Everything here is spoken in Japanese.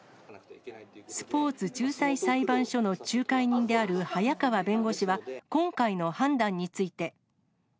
スポーツ仲裁裁判所の仲裁人である早川弁護士は、今回の判断について。